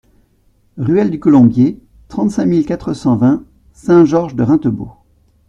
Ruelle du Colombier, trente-cinq mille quatre cent vingt Saint-Georges-de-Reintembault